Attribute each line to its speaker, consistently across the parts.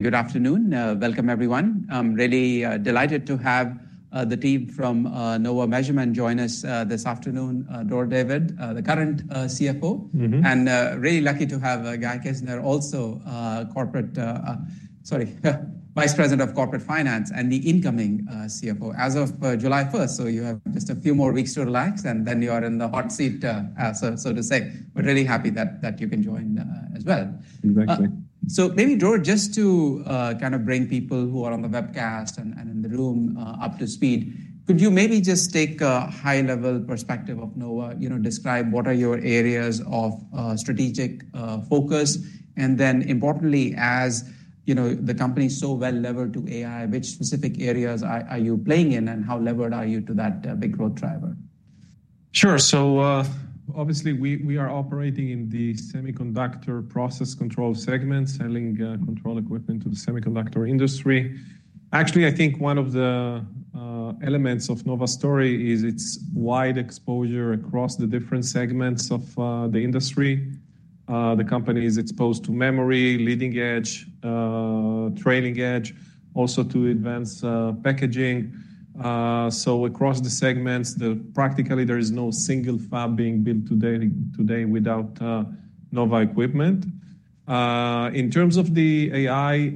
Speaker 1: Good afternoon. Welcome, everyone. I'm really delighted to have the team from Nova Management join us this afternoon. Dror David, the current CFO.
Speaker 2: Mm-hmm.
Speaker 1: Really lucky to have Guy Kizner also, corporate, sorry, vice president of corporate finance and the incoming CFO as of July first. So you have just a few more weeks to relax, and then you are in the hot seat, as so to say. We're really happy that you can join as well.
Speaker 2: Exactly.
Speaker 1: So maybe, Dror, just to kind of bring people who are on the webcast and in the room up to speed, could you maybe just take a high-level perspective of Nova? You know, describe what are your areas of strategic focus. And then importantly, as you know, the company is so well levered to AI, which specific areas are you playing in, and how levered are you to that big growth driver?
Speaker 2: Sure. So, obviously, we are operating in the semiconductor process control segment, selling control equipment to the semiconductor industry. Actually, I think one of the elements of Nova story is its wide exposure across the different segments of the industry. The company is exposed to memory, leading edge, trailing edge, also to advanced packaging. So across the segments, practically, there is no single fab being built today without Nova equipment. In terms of the AI,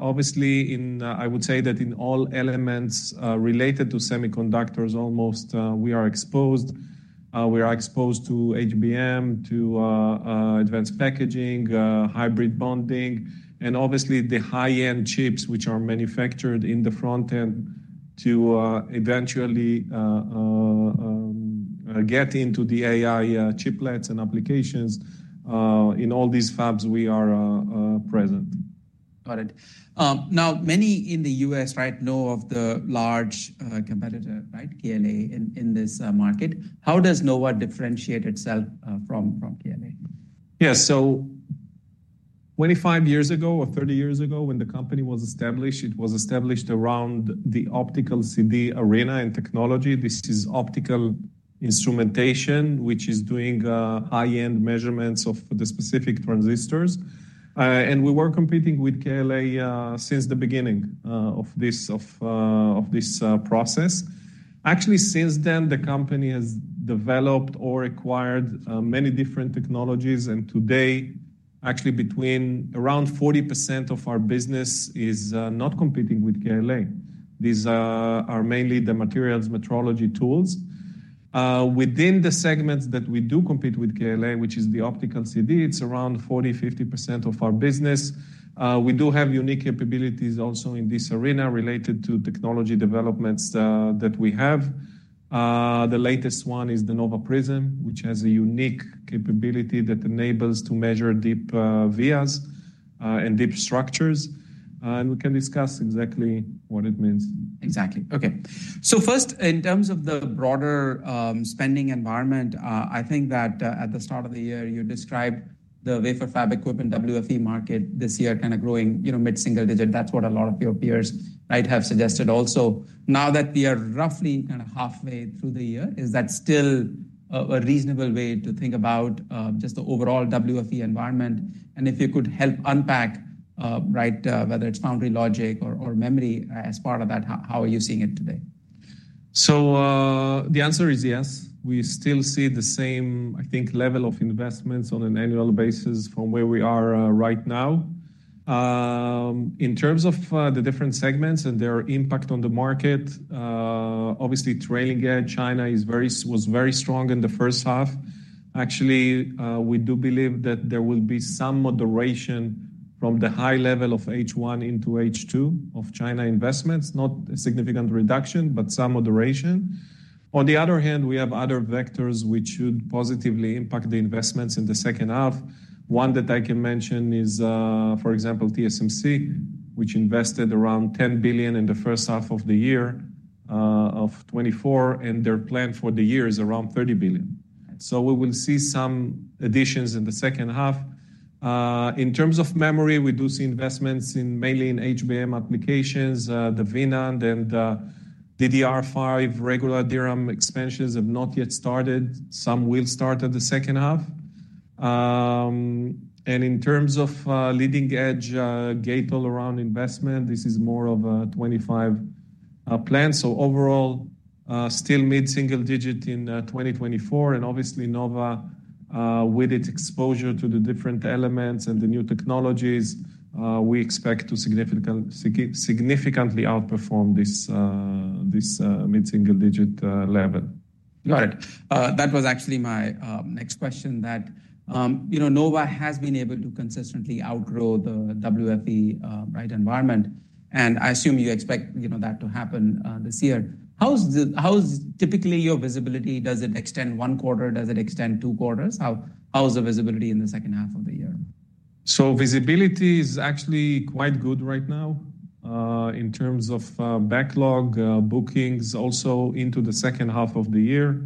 Speaker 2: obviously, I would say that in all elements related to semiconductors, almost, we are exposed. We are exposed to HBM, to advanced packaging, hybrid bonding, and obviously, the high-end chips, which are manufactured in the front end to eventually get into the AI chiplets and applications. In all these fabs we are present.
Speaker 1: Got it. Now, many in the US, right, know of the large competitor, right, KLA, in this market. How does Nova differentiate itself from KLA?
Speaker 2: Yeah. So 25 years ago or 30 years ago, when the company was established, it was established around the Optical CD arena and technology. This is optical instrumentation, which is doing high-end measurements of the specific transistors. And we were competing with KLA since the beginning of this process. Actually, since then, the company has developed or acquired many different technologies, and today, actually, between around 40% of our business is not competing with KLA. These are mainly the materials metrology tools. Within the segments that we do compete with KLA, which is the Optical CD, it's around 40%-50% of our business. We do have unique capabilities also in this arena related to technology developments that we have. The latest one is the Nova PRISM, which has a unique capability that enables to measure deep vias and deep structures, and we can discuss exactly what it means.
Speaker 1: Exactly. Okay. So first, in terms of the broader, spending environment, I think that, at the start of the year, you described the wafer fab equipment, WFE market this year, kind of growing, you know, mid-single digit. That's what a lot of your peers, right, have suggested also. Now that we are roughly kind of halfway through the year, is that still a reasonable way to think about, just the overall WFE environment? And if you could help unpack, right, whether it's foundry logic or, or memory as part of that, how are you seeing it today?
Speaker 2: So, the answer is yes. We still see the same, I think, level of investments on an annual basis from where we are right now. In terms of the different segments and their impact on the market, obviously, trailing edge China was very strong in the first half. Actually, we do believe that there will be some moderation from the high level of H1 into H2 of China investments. Not a significant reduction, but some moderation. On the other hand, we have other vectors which should positively impact the investments in the second half. One that I can mention is, for example, TSMC, which invested around $10 billion in the first half of the year of 2024, and their plan for the year is around $30 billion.
Speaker 1: Right.
Speaker 2: So we will see some additions in the second half. In terms of memory, we do see investments in mainly in HBM applications, the LPDDR and the DDR5. Regular DRAM expansions have not yet started. Some will start in the second half. And in terms of leading edge, Gate-All-Around investment, this is more of a 25 plan. So overall, still mid-single-digit in 2024. And obviously, Nova, with its exposure to the different elements and the new technologies, we expect to significantly outperform this mid-single-digit level.
Speaker 1: Got it. That was actually my next question, that you know, Nova has been able to consistently outgrow the WFE right environment, and I assume you expect, you know, that to happen this year. How's typically your visibility? Does it extend one quarter? Does it extend two quarters? How is the visibility in the second half of the year?
Speaker 2: So visibility is actually quite good right now in terms of backlog, bookings also into the second half of the year.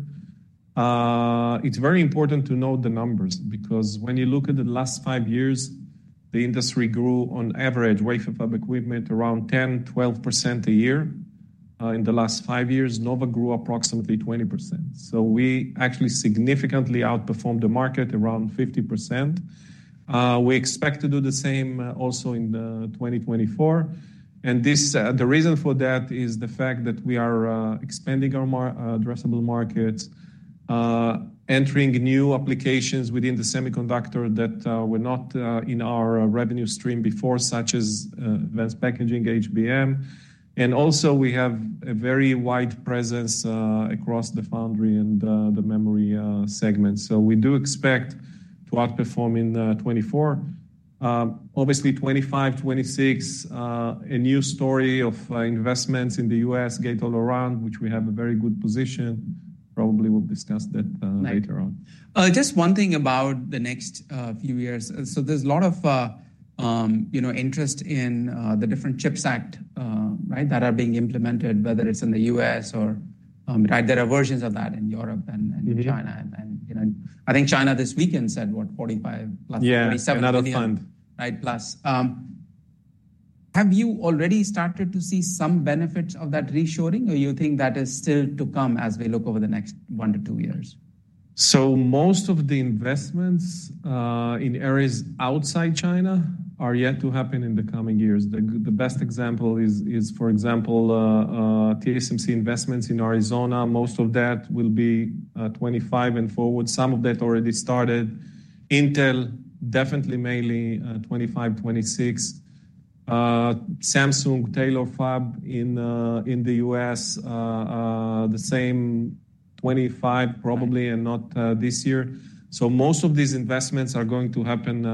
Speaker 2: It's very important to know the numbers, because when you look at the last five years, the industry grew on average wafer fab equipment around 10%-12% a year. In the last five years, Nova grew approximately 20%. So we actually significantly outperformed the market around 50%. We expect to do the same also in 2024. And this the reason for that is the fact that we are expanding our addressable markets, entering new applications within the semiconductor that were not in our revenue stream before, such as advanced packaging, HBM. And also we have a very wide presence across the foundry and the memory segment. So we do expect to outperform in 2024. Obviously, 2025, 2026, a new story of investments in the U.S., Gate-All-Around, which we have a very good position. Probably we'll discuss that later on.
Speaker 1: Right. Just one thing about the next few years. So there's a lot of, you know, interest in the different CHIPS Act, right? That are being implemented, whether it's in the U.S. or right there are versions of that in Europe and-
Speaker 2: Mm-hmm...
Speaker 1: China and, you know. I think China this weekend said, what? 45 plus-
Speaker 2: Yeah...
Speaker 1: $47 billion.
Speaker 2: Another fund.
Speaker 1: Right, plus. Have you already started to see some benefits of that reshoring, or you think that is still to come as we look over the next 1-2 years?
Speaker 2: So most of the investments in areas outside China are yet to happen in the coming years. The best example is, for example, TSMC investments in Arizona. Most of that will be 2025 and forward. Some of that already started. Intel, definitely, mainly 2025, 2026. Samsung Taylor Fab in the US, the same 2025, probably, and not this year. So most of these investments are going to happen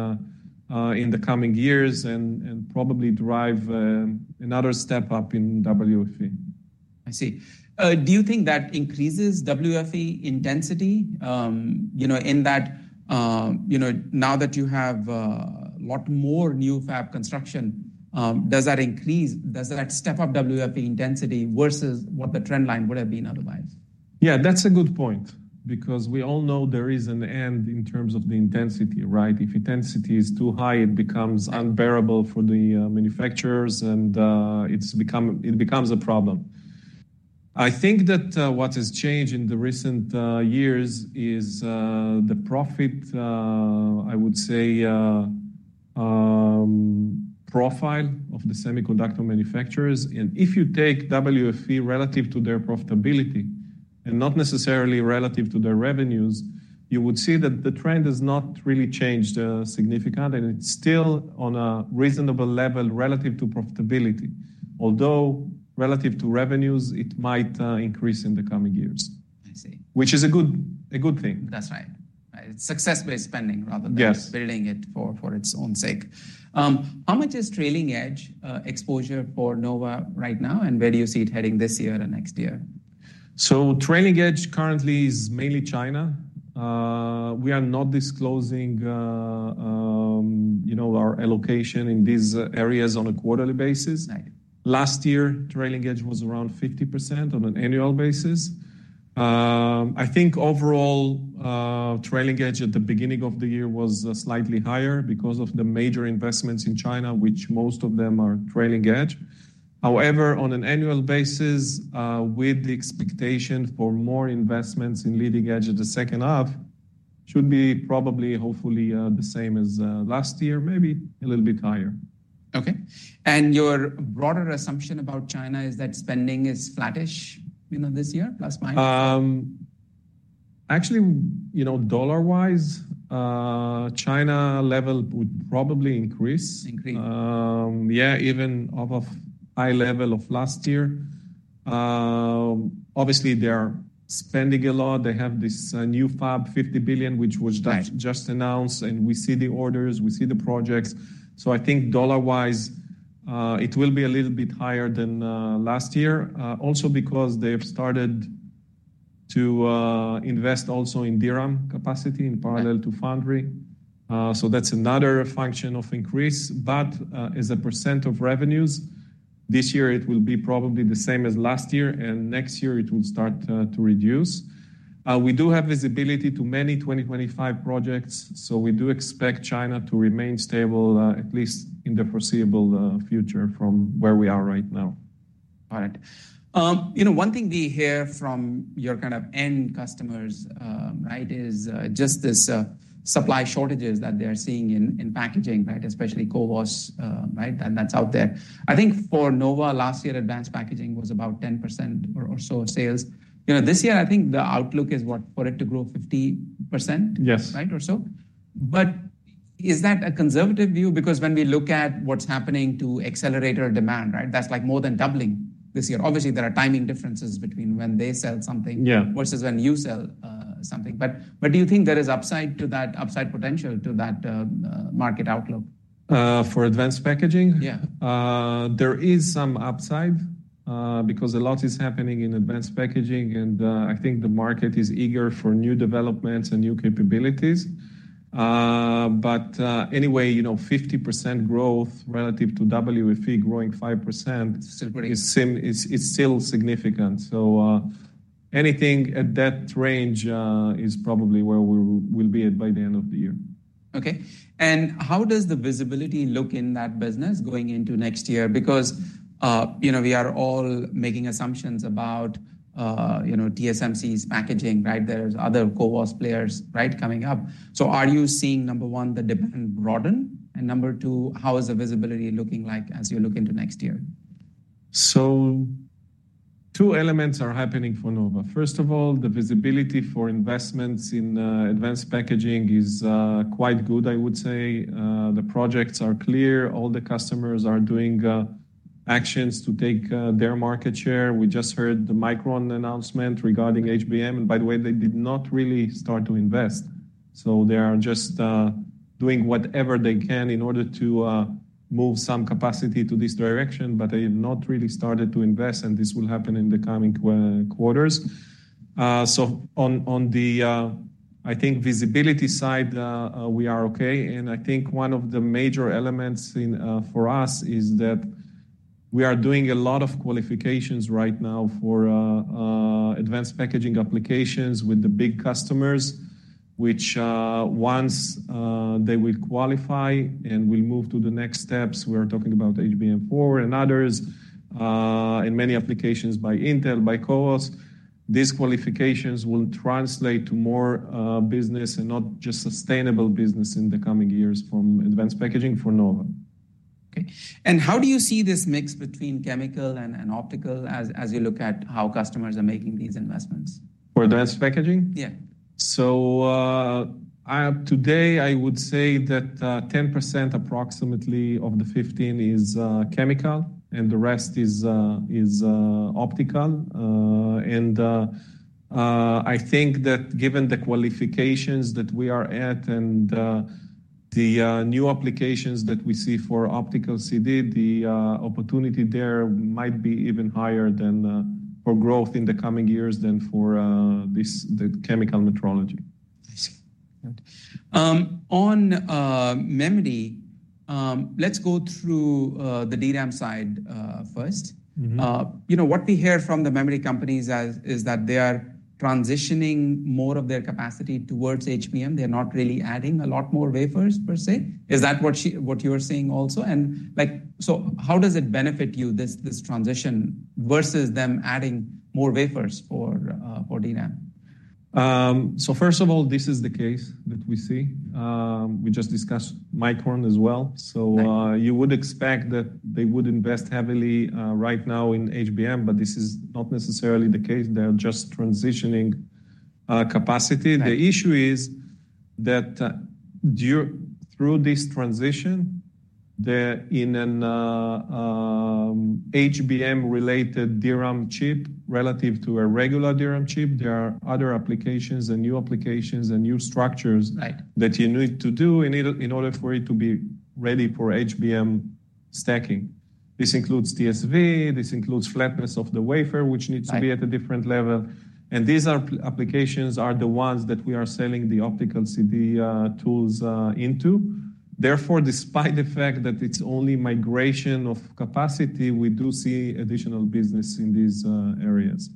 Speaker 2: in the coming years and probably derive another step up in WFE.
Speaker 1: I see. Do you think that increases WFE intensity, you know, in that, you know, now that you have a lot more new fab construction, does that step up WFE intensity versus what the trend line would have been otherwise?
Speaker 2: Yeah, that's a good point, because we all know there is an end in terms of the intensity, right? If intensity is too high, it becomes unbearable for the manufacturers, and it becomes a problem. I think that what has changed in the recent years is the profit profile of the semiconductor manufacturers. And if you take WFE relative to their profitability, and not necessarily relative to their revenues, you would see that the trend has not really changed significantly, and it's still on a reasonable level relative to profitability. Although relative to revenues, it might increase in the coming years.
Speaker 1: I see.
Speaker 2: Which is a good thing.
Speaker 1: That's right. Right, it's success-based spending rather than-
Speaker 2: Yes...
Speaker 1: building it for its own sake. How much is trailing edge exposure for Nova right now, and where do you see it heading this year or next year?
Speaker 2: Trailing edge currently is mainly China. We are not disclosing, you know, our allocation in these areas on a quarterly basis.
Speaker 1: Right.
Speaker 2: Last year, trailing edge was around 50% on an annual basis. I think overall, trailing edge at the beginning of the year was slightly higher because of the major investments in China, which most of them are trailing edge. However, on an annual basis, with the expectation for more investments in leading edge of the second half, should be probably, hopefully, the same as last year, maybe a little bit higher.
Speaker 1: Okay. And your broader assumption about China is that spending is flattish, you know, this year, plus, minus?
Speaker 2: Actually, you know, dollar-wise, China level would probably increase.
Speaker 1: Increase.
Speaker 2: Yeah, even off of high level of last year. Obviously, they are spending a lot. They have this new fab, $50 billion, which was just-
Speaker 1: Right...
Speaker 2: just announced, and we see the orders, we see the projects. So I think dollar-wise, it will be a little bit higher than last year, also because they have started to invest also in DRAM capacity in parallel to foundry.
Speaker 1: Right.
Speaker 2: So that's another function of increase, but as a percent of revenues, this year it will be probably the same as last year, and next year it will start to reduce. We do have visibility to many 2025 projects, so we do expect China to remain stable, at least in the foreseeable future from where we are right now.
Speaker 1: All right. You know, one thing we hear from your kind of end customers, right, is just this supply shortages that they are seeing in, in packaging, right? Especially CoWoS, right, and that's out there. I think for Nova, last year, advanced packaging was about 10% or so of sales. You know, this year, I think the outlook is, what, for it to grow 50%?
Speaker 2: Yes.
Speaker 1: Right, or so. But is that a conservative view? Because when we look at what's happening to accelerator demand, right, that's like more than doubling this year. Obviously, there are timing differences between when they sell something-
Speaker 2: Yeah...
Speaker 1: versus when you sell, something. But do you think there is upside to that, upside potential to that, market outlook?
Speaker 2: For advanced packaging?
Speaker 1: Yeah.
Speaker 2: There is some upside, because a lot is happening in advanced packaging, and I think the market is eager for new developments and new capabilities. Anyway, you know, 50% growth relative to WFE growing 5%-
Speaker 1: Still pretty-...
Speaker 2: is still significant. So, anything at that range is probably where we will be at by the end of the year....
Speaker 1: Okay, and how does the visibility look in that business going into next year? Because, you know, we are all making assumptions about, you know, TSMC's packaging, right? There's other CoWoS players, right, coming up. So are you seeing, number one, the demand broaden? And number two, how is the visibility looking like as you look into next year?
Speaker 2: So two elements are happening for Nova. First of all, the visibility for investments in advanced packaging is quite good, I would say. The projects are clear. All the customers are doing actions to take their market share. We just heard the Micron announcement regarding HBM, and by the way, they did not really start to invest. So they are just doing whatever they can in order to move some capacity to this direction, but they have not really started to invest, and this will happen in the coming quarters. So on the visibility side, we are okay, and I think one of the major elements for us is that we are doing a lot of qualifications right now for advanced packaging applications with the big customers, which once they will qualify, and we move to the next steps, we're talking about HBM4 and others, and many applications by Intel, by CoWoS. These qualifications will translate to more business and not just sustainable business in the coming years from advanced packaging for Nova.
Speaker 1: Okay. How do you see this mix between chemical and optical as you look at how customers are making these investments?
Speaker 2: For advanced packaging?
Speaker 1: Yeah.
Speaker 2: So, today, I would say that, approximately, 10% of the 15 is chemical, and the rest is optical. And, I think that given the qualifications that we are at and the new applications that we see for Optical CD, the opportunity there might be even higher than for growth in the coming years than for this, the chemical metrology.
Speaker 1: I see. On memory, let's go through the DRAM side first.
Speaker 2: Mm-hmm.
Speaker 1: You know, what we hear from the memory companies as is that they are transitioning more of their capacity towards HBM. They're not really adding a lot more wafers per se. Is that what you are seeing also? And like, so how does it benefit you, this, this transition, versus them adding more wafers for, for DRAM?
Speaker 2: So first of all, this is the case that we see. We just discussed Micron as well.
Speaker 1: Right.
Speaker 2: So, you would expect that they would invest heavily, right now in HBM, but this is not necessarily the case. They are just transitioning, capacity.
Speaker 1: Right.
Speaker 2: The issue is that during this transition, in an HBM-related DRAM chip, relative to a regular DRAM chip, there are other applications and new applications and new structures-
Speaker 1: Right...
Speaker 2: that you need to do in order, in order for it to be ready for HBM stacking. This includes TSV, this includes flatness of the wafer, which needs-
Speaker 1: Right...
Speaker 2: to be at a different level. These applications are the ones that we are selling the Optical CD tools into. Therefore, despite the fact that it's only migration of capacity, we do see additional business in these areas.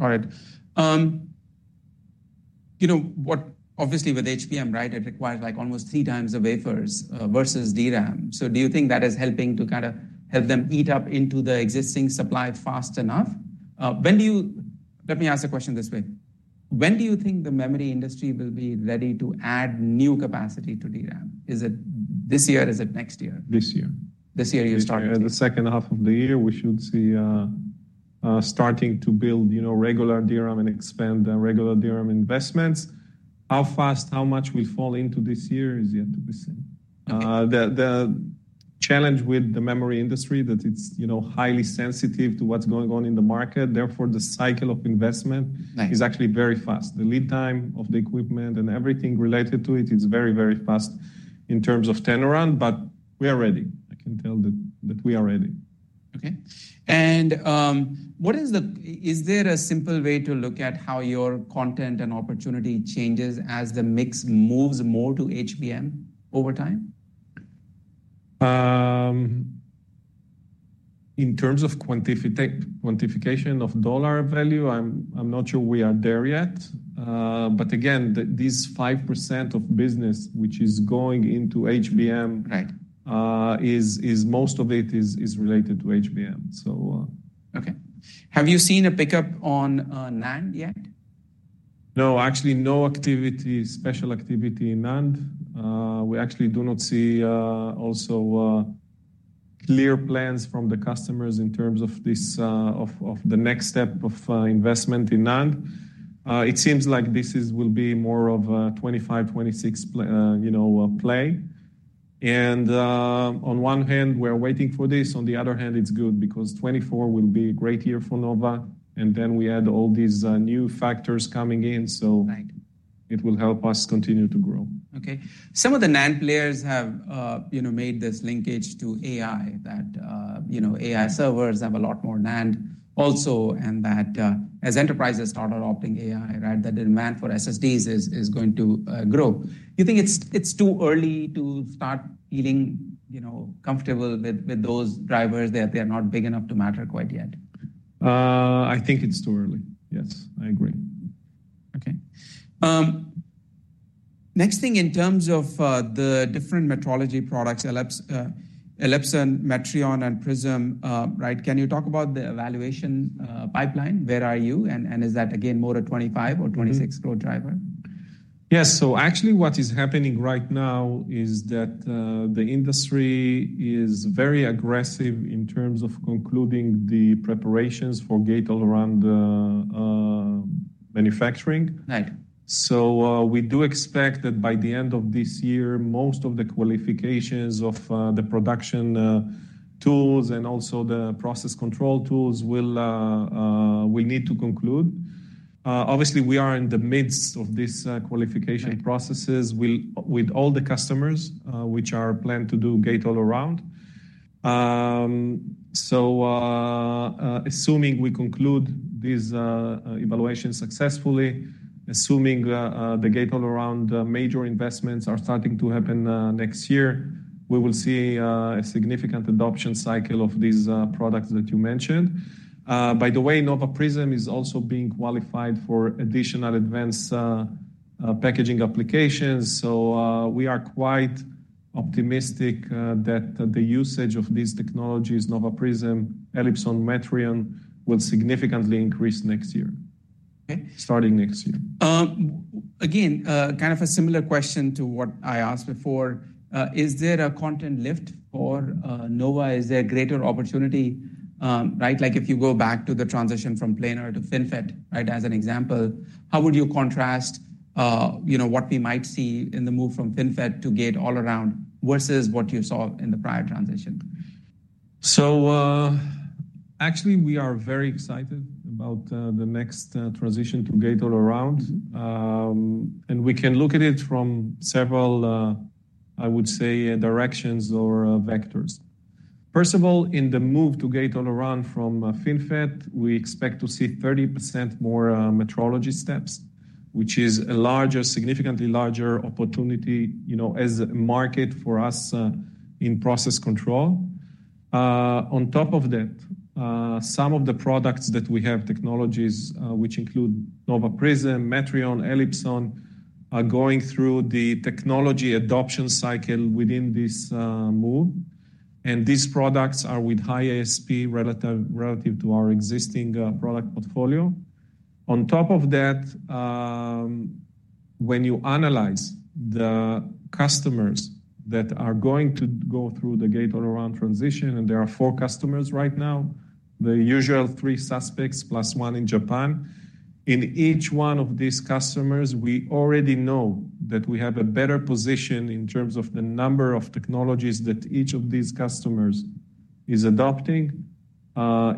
Speaker 1: All right. You know what? Obviously with HBM, right, it requires like almost 3 times the wafers versus DRAM. So do you think that is helping to kinda help them eat up into the existing supply fast enough? When do you... Let me ask the question this way: When do you think the memory industry will be ready to add new capacity to DRAM? Is it this year? Is it next year?
Speaker 2: This year.
Speaker 1: This year you're starting to see.
Speaker 2: The second half of the year, we should see starting to build, you know, regular DRAM and expand the regular DRAM investments. How fast, how much will fall into this year is yet to be seen.
Speaker 1: Okay.
Speaker 2: The challenge with the memory industry that it's, you know, highly sensitive to what's going on in the market. Therefore, the cycle of investment-
Speaker 1: Right...
Speaker 2: is actually very fast. The lead time of the equipment and everything related to it is very, very fast in terms of turn around, but we are ready. I can tell that, that we are ready.
Speaker 1: Okay. Is there a simple way to look at how your content and opportunity changes as the mix moves more to HBM over time?
Speaker 2: In terms of quantification of dollar value, I'm not sure we are there yet. But again, these 5% of business which is going into HBM-
Speaker 1: Right...
Speaker 2: is most of it related to HBM, so.
Speaker 1: Okay. Have you seen a pickup on, NAND yet?
Speaker 2: No. Actually, no special activity in NAND. We actually do not see also clear plans from the customers in terms of this, of the next step of investment in NAND. It seems like this is, will be more of a 25, 26 play. You know, and on one hand, we're waiting for this, on the other hand, it's good because 2024 will be a great year for Nova, and then we add all these new factors coming in so-
Speaker 1: Right...
Speaker 2: it will help us continue to grow.
Speaker 1: Okay. Some of the NAND players have, you know, made this linkage to AI, that, you know, AI servers have a lot more NAND also, and that, as enterprises start adopting AI, right, the demand for SSDs is going to grow. You think it's too early to start feeling, you know, comfortable with those drivers, that they are not big enough to matter quite yet? ...
Speaker 2: I think it's too early. Yes, I agree.
Speaker 1: Okay. Next thing in terms of the different metrology products, ELIPSON, METRION, and PRISM, right? Can you talk about the evaluation pipeline? Where are you, and is that again more a 25 or 26 growth driver?
Speaker 2: Mm-hmm. Yes. So actually what is happening right now is that, the industry is very aggressive in terms of concluding the preparations for Gate-All-Around manufacturing.
Speaker 1: Right.
Speaker 2: So, we do expect that by the end of this year, most of the qualifications of the production tools and also the process control tools will we need to conclude. Obviously, we are in the midst of this qualification processes-
Speaker 1: Right...
Speaker 2: with all the customers, which are planned to do Gate-All-Around. So, assuming we conclude these evaluations successfully, assuming the Gate-All-Around major investments are starting to happen next year, we will see a significant adoption cycle of these products that you mentioned. By the way, Nova PRISM is also being qualified for additional advanced packaging applications. So, we are quite optimistic that the usage of these technologies, Nova PRISM, ELIPSON, MTERION, will significantly increase next year.
Speaker 1: Okay.
Speaker 2: Starting next year.
Speaker 1: Again, kind of a similar question to what I asked before. Is there a content lift for Nova? Is there a greater opportunity, right, like if you go back to the transition from planar to FinFET, right? As an example, how would you contrast, you know, what we might see in the move from FinFET to Gate-All-Around versus what you saw in the prior transition?
Speaker 2: Actually, we are very excited about the next transition to Gate-All-Around. We can look at it from several, I would say, directions or vectors. First of all, in the move to Gate-All-Around from FinFET, we expect to see 30% more metrology steps, which is a larger, significantly larger opportunity, you know, as a market for us in process control. On top of that, some of the products that we have, technologies, which include Nova PRISM, METRION, ELIPSEN, are going through the technology adoption cycle within this move, and these products are with high ASP relative, relative to our existing product portfolio. On top of that, when you analyze the customers that are going to go through the Gate-All-Around transition, and there are four customers right now, the usual three suspects, plus one in Japan. In each one of these customers, we already know that we have a better position in terms of the number of technologies that each of these customers is adopting,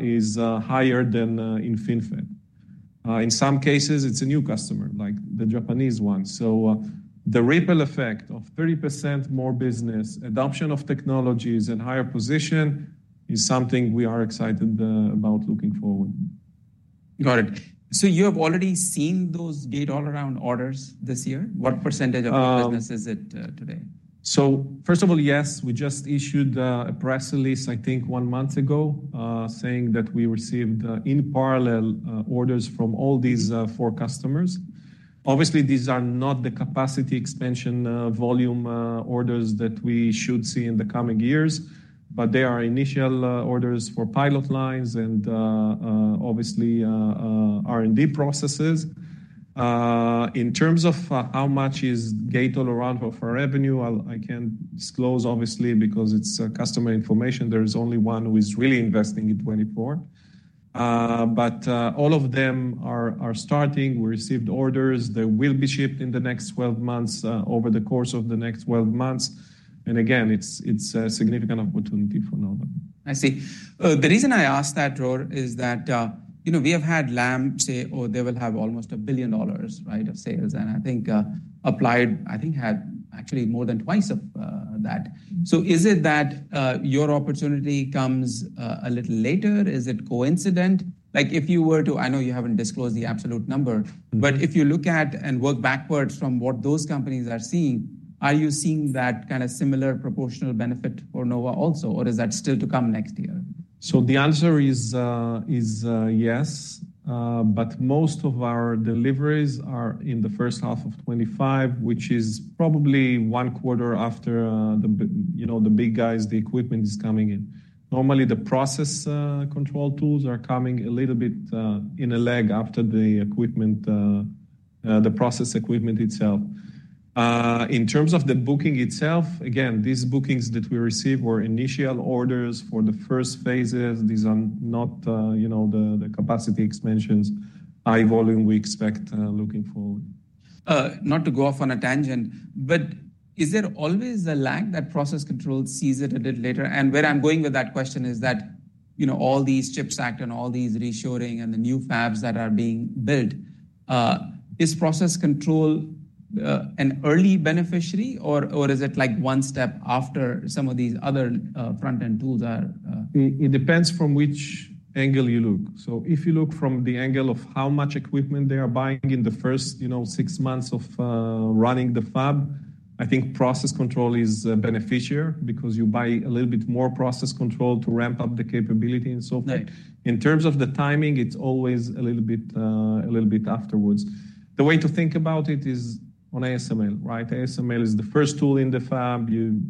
Speaker 2: is higher than in FinFET. In some cases, it's a new customer, like the Japanese one. So, the ripple effect of 30% more business, adoption of technologies and higher position is something we are excited about looking forward.
Speaker 1: Got it. So you have already seen those Gate-All-Around orders this year? What percentage-
Speaker 2: Um...
Speaker 1: of the business is it today?
Speaker 2: So first of all, yes, we just issued a press release, I think, one month ago, saying that we received, in parallel, orders from all these four customers. Obviously, these are not the capacity expansion volume orders that we should see in the coming years, but they are initial orders for pilot lines and obviously R&D processes. In terms of how much is Gate-All-Around of our revenue, I'll, I can't disclose, obviously, because it's customer information. There is only one who is really investing in 2024. But all of them are starting. We received orders that will be shipped in the next 12 months, over the course of the next 12 months. And again, it's a significant opportunity for Nova.
Speaker 1: I see. The reason I asked that, Rohr, is that, you know, we have had Lam say, oh, they will have almost $1 billion, right, of sales. I think, Applied, I think, had actually more than twice of that.
Speaker 2: Mm-hmm.
Speaker 1: So is it that your opportunity comes a little later? Is it coincidental? Like, if you were to... I know you haven't disclosed the absolute number-
Speaker 2: Mm-hmm.
Speaker 1: But if you look at and work backwards from what those companies are seeing, are you seeing that kind of similar proportional benefit for Nova also, or is that still to come next year?
Speaker 2: So the answer is yes. But most of our deliveries are in the first half of 2025, which is probably one quarter after, you know, the big guys, the equipment is coming in. Normally, the process control tools are coming a little bit in a lag after the equipment, the process equipment itself. In terms of the booking itself, again, these bookings that we received were initial orders for the first phases. These are not, you know, the capacity expansions, high volume we expect looking forward.
Speaker 1: Not to go off on a tangent, but is there always a lag that process control sees it a bit later? And where I'm going with that question is that, you know, all these CHIPS Act and all these reshoring and the new fabs that are being built, is process control, an early beneficiary, or, or is it like one step after some of these other, front-end tools are,
Speaker 2: It depends from which angle you look. So if you look from the angle of how much equipment they are buying in the first, you know, six months of running the fab.... I think process control is beneficial because you buy a little bit more process control to ramp up the capability and so forth.
Speaker 1: Right.
Speaker 2: In terms of the timing, it's always a little bit, a little bit afterwards. The way to think about it is on ASML, right? ASML is the first tool in the fab. You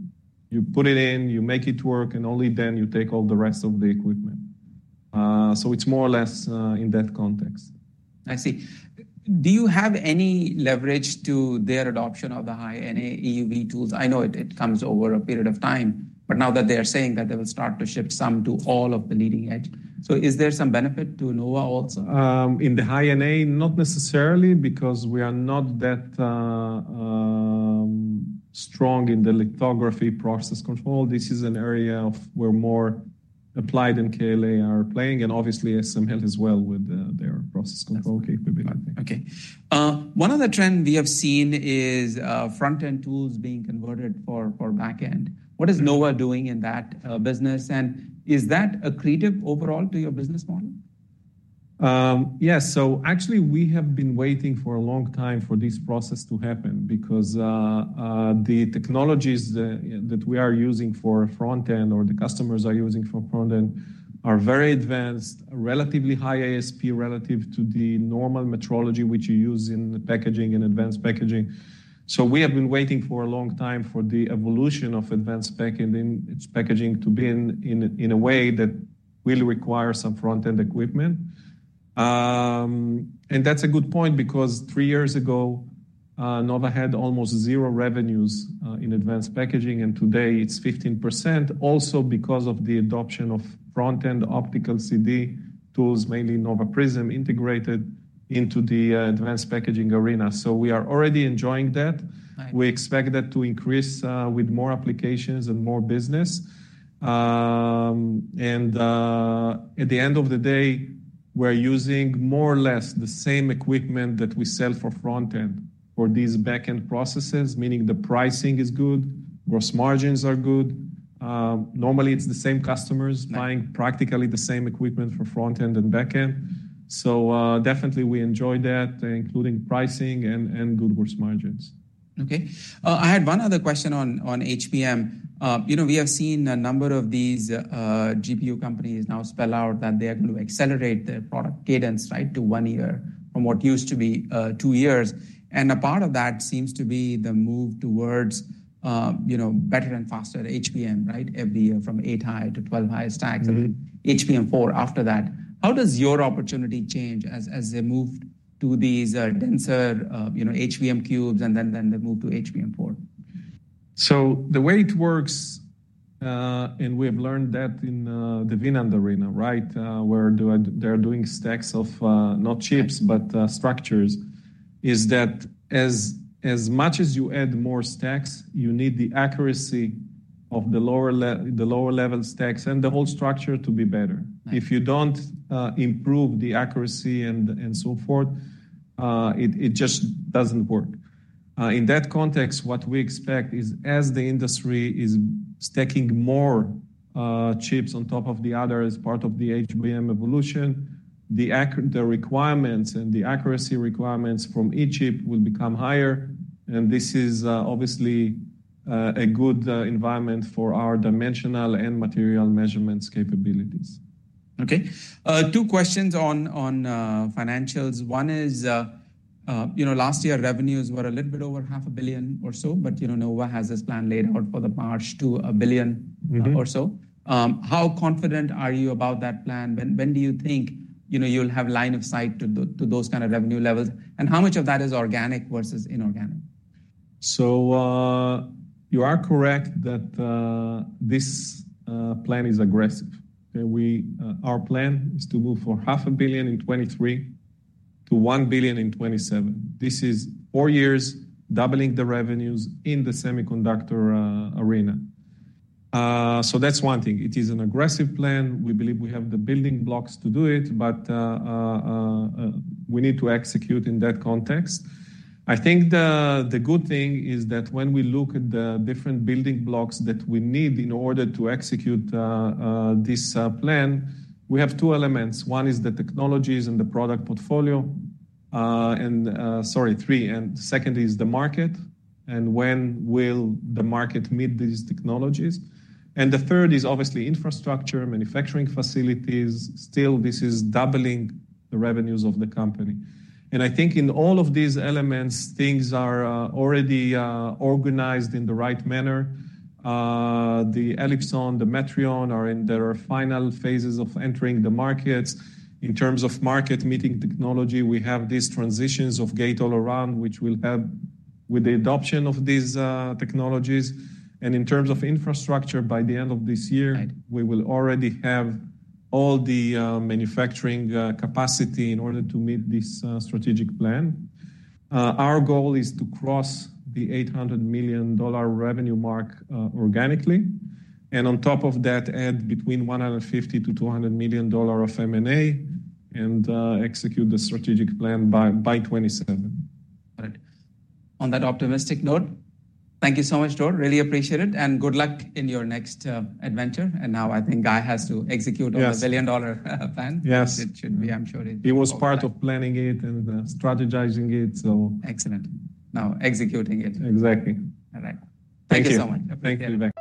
Speaker 2: put it in, you make it work, and only then you take all the rest of the equipment. So it's more or less, in that context.
Speaker 1: I see. Do you have any leverage to their adoption of the high-NA EUV tools? I know it comes over a period of time, but now that they are saying that they will start to ship some to all of the leading edge. So is there some benefit to Nova also?
Speaker 2: In the high-NA, not necessarily, because we are not that strong in the lithography process control. This is an area of where more Applied Materials and KLA are playing, and obviously ASML as well with their process control capability.
Speaker 1: Okay. One other trend we have seen is front-end tools being converted for back-end. What is Nova doing in that business? And is that accretive overall to your business model?
Speaker 2: Yes. So actually, we have been waiting for a long time for this process to happen because the technologies that we are using for front-end or the customers are using for front-end are very advanced, relatively high ASP relative to the normal metrology, which you use in the packaging and advanced packaging. So we have been waiting for a long time for the evolution of advanced packaging, it's packaging to be in a way that will require some front-end equipment. And that's a good point because three years ago, Nova had almost zero revenues in advanced packaging, and today it's 15%. Also, because of the adoption of front-end Optical CD tools, mainly Nova PRISM, integrated into the advanced packaging arena. So we are already enjoying that.
Speaker 1: Right.
Speaker 2: We expect that to increase with more applications and more business. At the end of the day, we're using more or less the same equipment that we sell for front end for these back-end processes, meaning the pricing is good, gross margins are good. Normally, it's the same customers-
Speaker 1: Right...
Speaker 2: buying practically the same equipment for front end and back end. So, definitely we enjoy that, including pricing and good gross margins.
Speaker 1: Okay. I had one other question on HBM. You know, we have seen a number of these GPU companies now spell out that they are going to accelerate their product cadence, right, to 1 year from what used to be 2 years. And a part of that seems to be the move towards, you know, better and faster HBM, right? Every year from 8-high to 12-high stacks, HBM4 after that. How does your opportunity change as they move to these denser HBM cubes, and then they move to HBM4?
Speaker 2: So the way it works, and we have learned that in the V-NAND arena, right, they're doing stacks of not chips, but structures, is that as much as you add more stacks, you need the accuracy of the lower-level stacks and the whole structure to be better.
Speaker 1: Right.
Speaker 2: If you don't improve the accuracy and so forth, it just doesn't work. In that context, what we expect is as the industry is stacking more chips on top of the other as part of the HBM evolution, the requirements and the accuracy requirements from each chip will become higher, and this is obviously a good environment for our dimensional and material measurements capabilities.
Speaker 1: Okay. Two questions on financials. One is, you know, last year, revenues were a little bit over $500 million or so, but, you know, Nova has this plan laid out for the march to $1 billion-
Speaker 2: Mm-hmm...
Speaker 1: or so. How confident are you about that plan? When, when do you think, you know, you'll have line of sight to the, to those kind of revenue levels? And how much of that is organic versus inorganic?
Speaker 2: So, you are correct that, this plan is aggressive. We, our plan is to move for $500 million in 2023 to $1 billion in 2027. This is four years, doubling the revenues in the semiconductor, arena. So that's one thing. It is an aggressive plan. We believe we have the building blocks to do it, but, we need to execute in that context. I think the good thing is that when we look at the different building blocks that we need in order to execute, this plan, we have two elements. One is the technologies and the product portfolio. And, sorry, three, and second is the market, and when will the market meet these technologies? And the third is obviously infrastructure, manufacturing facilities. Still, this is doubling the revenues of the company. I think in all of these elements, things are already organized in the right manner. The ELIPSON, the METRION are in their final phases of entering the markets. In terms of market meeting technology, we have these transitions of Gate-All-Around, which will help with the adoption of these technologies. In terms of infrastructure, by the end of this year-
Speaker 1: Right...
Speaker 2: we will already have all the manufacturing capacity in order to meet this strategic plan. Our goal is to cross the $800 million revenue mark, organically, and on top of that, add between $150 million-$200 million of M&A, and execute the strategic plan by 2027.
Speaker 1: Got it. On that optimistic note, thank you so much, Dror. Really appreciate it, and good luck in your next adventure. And now I think Guy has to execute-
Speaker 2: Yes...
Speaker 1: on the billion-dollar plan.
Speaker 2: Yes.
Speaker 1: It should be, I'm sure it-
Speaker 2: He was part of planning it and strategizing it, so.
Speaker 1: Excellent. Now, executing it.
Speaker 2: Exactly.
Speaker 1: All right.
Speaker 2: Thank you.
Speaker 1: Thank you so much.
Speaker 2: Thank you, Vivek.